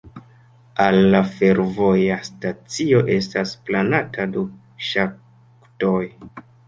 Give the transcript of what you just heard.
Al la fervoja stacio estas planata du ŝaktoj.